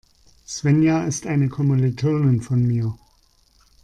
Svenja ist eine Kommilitonin von mir.